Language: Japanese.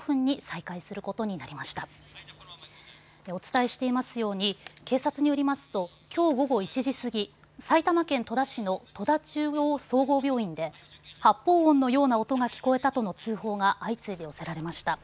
お伝えしていますように警察によりますときょう午後１時過ぎ、埼玉県戸田市の戸田中央総合病院で発砲音のような音が聞こえたとの通報が相次いで寄せられました。